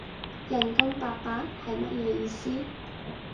人工八百？係乜嘢意思？